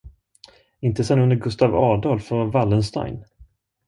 Inte sen under Gustav Adolf och Wallenstein.